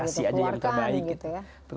kasih aja yang terbaik gitu ya